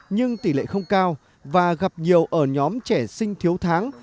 nhưng tỷ lệ không cao và gặp nhiều ở nhóm trẻ sinh thiếu tháng